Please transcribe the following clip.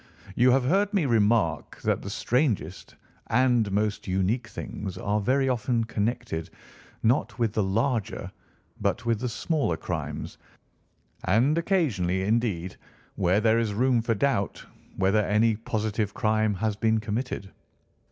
You have heard me remark that the strangest and most unique things are very often connected not with the larger but with the smaller crimes, and occasionally, indeed, where there is room for doubt whether any positive crime has been committed.